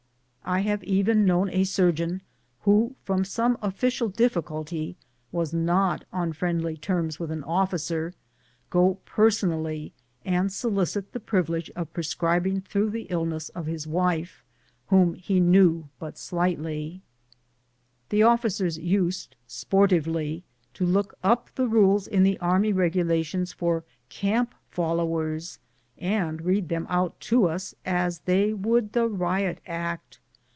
I have even known a sur geon, who from some official difficulty was not on friendly terms with an officer, go personally and solicit the privilege of prescribing through the illness of his wife, whom he knew but slightly. 130 BOOTS AND SADDLES. The officers used sj^ortivelj to look np the rules in the army regulations for camp followers, and read them out to us as they would the riot act